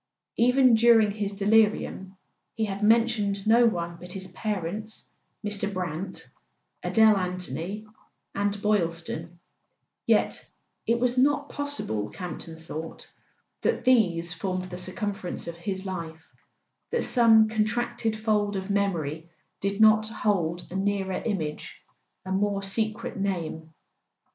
Even during his delirium he had mentioned no one but his parents, Mr. Brant, Adele Anthony and Boyl ston; yet it was not possible, Camp ton thought, that these formed the circumference of his life, that some contracted fold of memory did not hold a nearer im¬ age, a more secret name.